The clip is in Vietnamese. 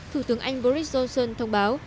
thủ tướng anh boris johnson thông báo